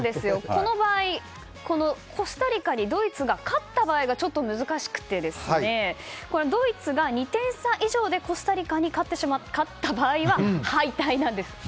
この場合、コスタリカにドイツが勝った場合がちょっと難しくてドイツが２点差以上でコスタリカに勝った場合は敗退なんです。